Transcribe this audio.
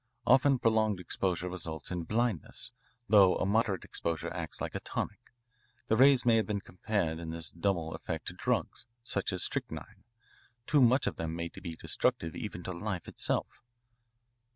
Often prolonged exposure results in blindness, though a moderate exposure acts like a tonic. The rays may be compared in this double effect to drugs, such as strychnine. Too much of them may be destructive even to life itself."